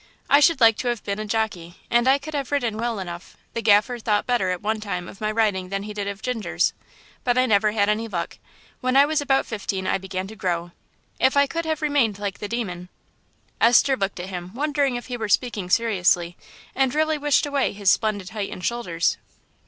I should like to have been a jockey, and I could have ridden well enough the Gaffer thought better at one time of my riding than he did of Ginger's. But I never had any luck; when I was about fifteen I began to grow.... If I could have remained like the Demon " Esther looked at him, wondering if he were speaking seriously, and really wished away his splendid height and shoulders.